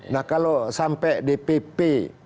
nah kalau sampai dpp